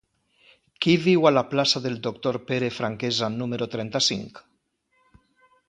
Qui viu a la plaça del Doctor Pere Franquesa número trenta-cinc?